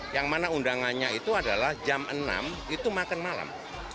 yang mana undangannya itu adalah jam enam itu makan malam